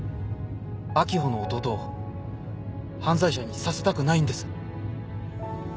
秋穂の弟を犯罪者にさせたくないんです。